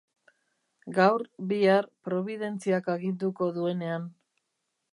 Gaur, bihar, probidentziak aginduko duenean.